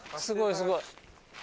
すごいすごい。